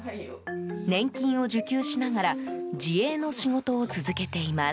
年金を受給しながら自営の仕事を続けています。